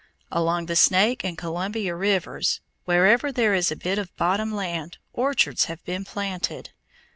Along the Snake and Columbia rivers, wherever there is a bit of bottom land, orchards have been planted.